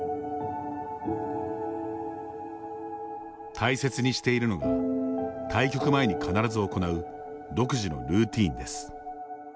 大切にしているのが対局前に必ず行う独自のルーティンです。